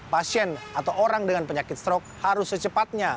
pasien atau orang dengan penyakit stroke harus secepatnya